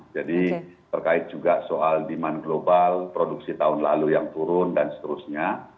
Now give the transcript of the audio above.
jadi terkait juga soal demand global produksi tahun lalu yang turun dan seterusnya